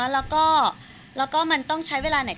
แล้วก็มันต้องใช้เวลาไหน